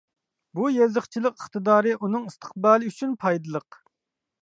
بۇ يېزىقچىلىق ئىقتىدارى ئۇنىڭ ئىستىقبالى ئۈچۈن پايدىلىق.